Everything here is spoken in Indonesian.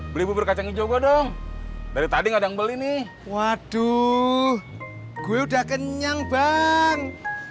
beli bubur kacang hijau dong dari tadi ada yang beli nih waduh gue udah kenyang bang